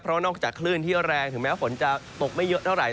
เพราะนอกจากคลื่นที่แรงถึงแม้ฝนจะตกไม่เยอะเท่าไหร